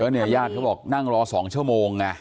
บ้านเขาบอกนั่งรอ๒ชั่วโมงอะ